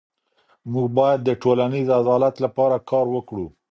موږ باید د ټولنیز عدالت لپاره کار وکړو.